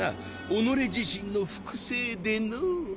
己自身の複製でのう。